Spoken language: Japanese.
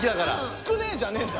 少ねえじゃねえんだ。